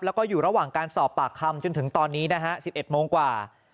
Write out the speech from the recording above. แล้วก็อยู่ระหว่างการสอบปากคำจนถึงตอนนี้นะฮะ๑๑โมงกว่า